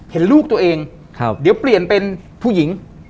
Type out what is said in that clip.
เห็นลูกตัวเองเดี๋ยวเปลี่ยนเป็นผู้หญิง